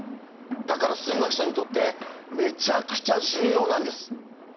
だから数学者にとってめちゃくちゃ重要なんです。